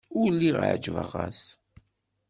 Ur lliɣ ɛejbeɣ-as.